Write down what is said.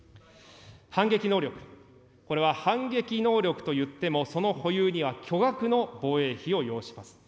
反撃能力、これは反撃能力といっても、その保有には巨額の防衛費を要します。